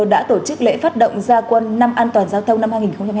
đã tổ chức lễ phát động gia quân năm an toàn giao thông năm hai nghìn hai mươi ba